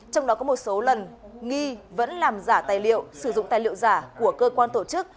trong đó có một số lần nghi vẫn làm giả tài liệu sử dụng tài liệu giả của cơ quan tổ chức